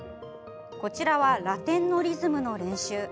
こちらは、ラテンのリズムの練習。